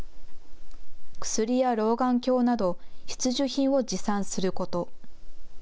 薬や老眼鏡など必需品を持参すること。